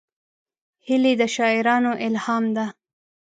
هیلۍ د شاعرانو الهام ده